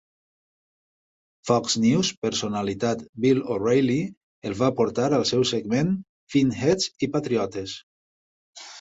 Fox News personalitat Bill o'Reilly el va portar al seu segment "Fin-Heads i patriotes".